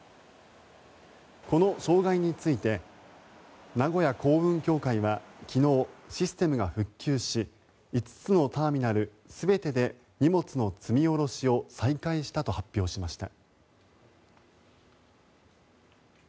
この障害について名古屋港運協会は昨日システムが復旧し５つのターミナル全てで荷物の積み下ろしを再開したと発表しました。